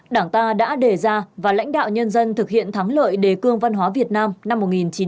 đảng ta đã đề ra và lãnh đạo nhân dân thực hiện thắng lợi đề cương văn hóa việt nam năm một nghìn chín trăm bảy mươi năm